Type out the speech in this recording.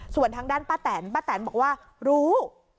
ส่วนทางด้านป้าแตนป้าแตนบอกว่ารู้